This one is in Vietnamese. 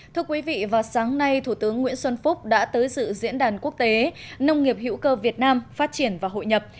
thưa quý vị vào sáng nay thủ tướng nguyễn xuân phúc đã tới dự diễn đàn quốc tế nông nghiệp hữu cơ việt nam phát triển và hội nhập